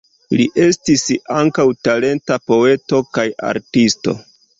Li estis ankaŭ talenta poeto kaj artisto.